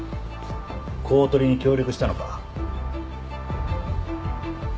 公取に協力したのか。